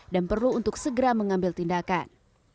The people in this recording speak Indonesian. dan perlu untuk segera mengambil tindakan